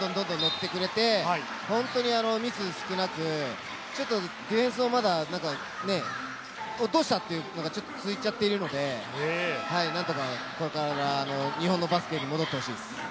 ッてくれて、本当にミスが少なく、ディフェンスもまだ、どうした？っていうのが続いちゃっているので、何とかこれから日本のバスケに戻ってほしいです。